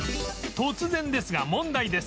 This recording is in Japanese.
突然ですが問題です